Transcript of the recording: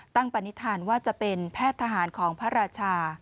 ตั้งประนิษฐานว่าจะเป็นแพทย์ทหารของพระราชา